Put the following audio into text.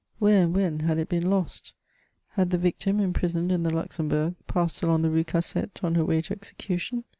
Where and when had it been lost ? Had the victim, imprisoned in the Luxembourg, passed along the Rue Cassette on her way to execution